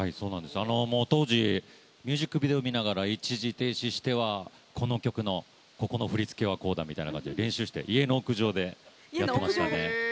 当時、ミュージックビデオを見ながら一時停止してはこの曲のここの振り付けはこうだみたいな感じで練習して家の屋上でやっていました。